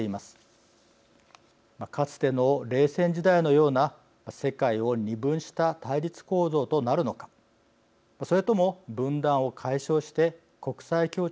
かつての冷戦時代のような世界を二分した対立構造となるのかそれとも分断を解消して国際協調の道を開いていくのか。